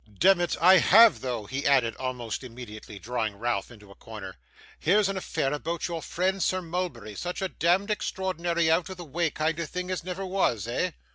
'Demmit! I have, though,' he added almost immediately, drawing Ralph into a corner. 'Here's an affair about your friend Sir Mulberry. Such a demd extraordinary out of the way kind of thing as never was eh?